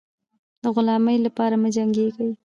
د غلامۍ لپاره مه جنګېږی.